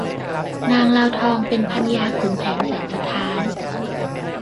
นางลาวทองเป็นภรรยาขุนแผนแสนสะท้าน